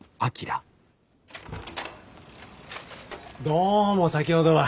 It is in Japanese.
どうも先ほどは。